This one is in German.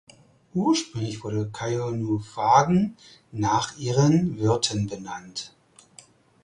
Ursprünglich wurden Cyanophagen nach ihren Wirten benannt.